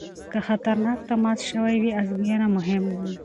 که خطرناک تماس شوی وي ازموینه مهمه ده.